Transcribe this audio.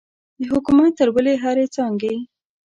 د حکومت تر بلې هرې څانګې.